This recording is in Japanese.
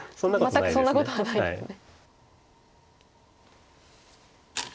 全くそんなことはないですね。